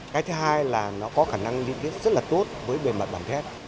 cái thứ hai là nó có khả năng liên tiếp rất là tốt với bề mặt bản thét